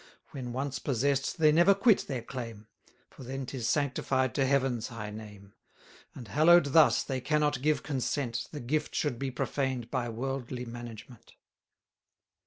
970 When once possess'd, they never quit their claim; For then 'tis sanctified to Heaven's high name; And, hallow'd thus, they cannot give consent, The gift should be profaned by worldly management.